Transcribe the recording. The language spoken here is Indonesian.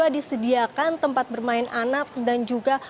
disediakan tempat bermain anak dan juga